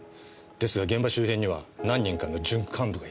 ですが現場周辺には何人かの準幹部がいて。